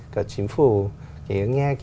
cả chính phủ nghe